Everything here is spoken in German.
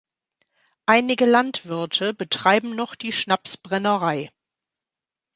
Einige Landwirte betreiben noch die Schnapsbrennerei.